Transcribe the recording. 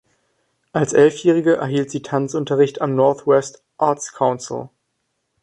Als Elfjährige erhielt sie Tanzunterricht am North-West Arts Council.